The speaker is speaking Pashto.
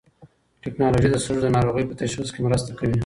ټېکنالوژي د سږو د ناروغۍ په تشخیص کې مرسته کوي.